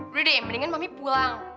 udah deh mendingan mami pulang